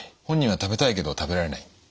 本人は食べたいけど食べられない。